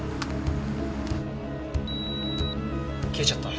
消えちゃった。